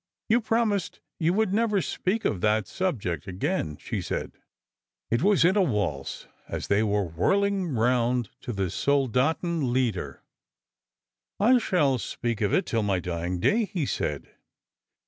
" You promised you would never apeak of that subject again," she said. It was in a waltz, as they were whirling round to the Soldaten Lieder. Strangers and Pilgrims, 20& " I shall speak of it till my dying day," he said.